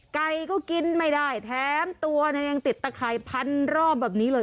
ไก่ก็กินไม่ได้แถมตัวยังติดตะข่ายพันรอบแบบนี้เลย